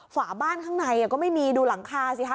ฝาบ้านข้างในก็ไม่มีดูหลังคาสิคะ